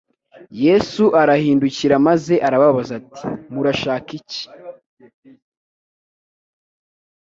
Yesu arahindukira maze arababaza ati :" Murashaka iki?"